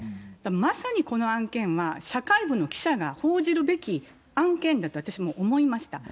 まさにこの案件は、社会部の記者が報じるべき案件だと、私も思いました。